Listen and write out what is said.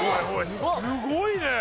すごいね！